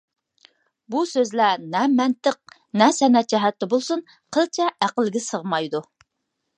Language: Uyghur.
بۇ سۆزلەر نە مەنتىق، نە سەنئەت جەھەتتە بولسۇن قىلچە ئەقىلگە سىغمايدۇ.